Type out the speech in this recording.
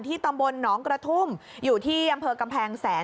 ตำบลหนองกระทุ่มอยู่ที่อำเภอกำแพงแสน